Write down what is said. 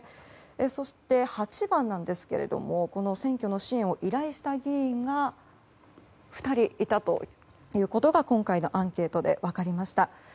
そして、８番なんですけれども選挙の支援を依頼した議員が２人いたということが今回のアンケートで分かりました。